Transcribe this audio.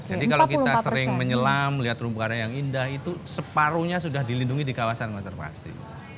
jadi kalau kita sering menyelam lihat terumbu karang yang indah itu separohnya sudah dilindungi di kawasan konservasi